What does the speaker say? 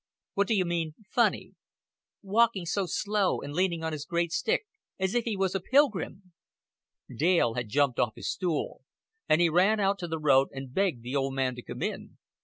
"What d'you mean funny?" "Walking so slow, and leaning on his great stick as if he was a pilgrim." Dale had jumped off his stool; and he ran out to the road and begged the old man to come in.